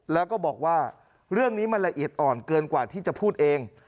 แล้วก็บอกว่าเรื่องนี้มันละเอียดอ่อนเกินกว่าที่จะพูดเอง